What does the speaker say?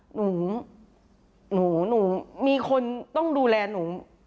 หนูหนูมีคนต้องดูแลหนู